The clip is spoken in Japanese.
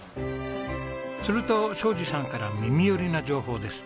すると将次さんから耳寄りな情報です。